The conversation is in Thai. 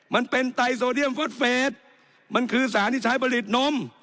มันเป็นไตโซเดียมฟุตเฟสมันคือสารที่ใช้ผลิตนม